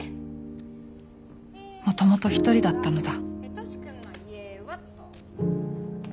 もともと１人だったのだ。